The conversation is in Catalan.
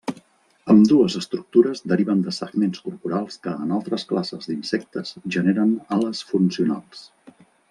Ambdues estructures deriven de segments corporals que en altres classes d'insectes generen ales funcionals.